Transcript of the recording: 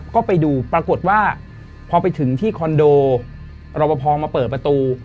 ก็ไปดูปรากฏว่าพอไปถึงที่คอนโดรบพองมาเปิดประตู